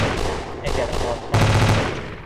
Әгәр аңлатһаң...